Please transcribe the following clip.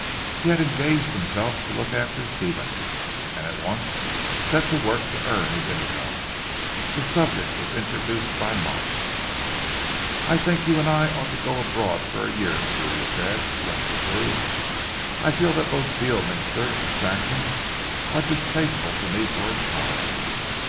He had engaged himself to look after Stephen, and at once set to work to earn his income. The subject was introduced by Marsh. "I think you and I ought to go abroad for a year or two," he said restlessly. "I feel that both Beorminster and Saxham are distasteful to me for a time.